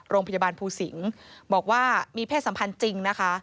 โรงพยาบาลภูสิงศ์บอกว่ามีเพศสัมพันธ์จริงนะคะ